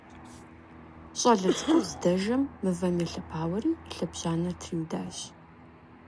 Щӏалэ цӏыкӏур здэжэм, мывэм елъэпауэри и лъэбжьанэр триудащ.